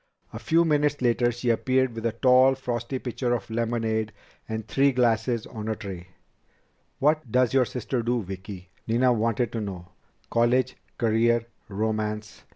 A few minutes later she reappeared with a tall, frosty pitcher of lemonade and three glasses on a tray. "What does your sister do, Vicki?" Nina wanted to know. "College? Career? Romance?"